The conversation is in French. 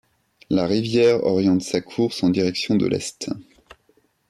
La rivière oriente sa course en direction de l'est.